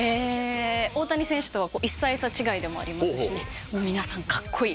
大谷選手とは１歳差違いでもありますしね皆さんカッコイイ。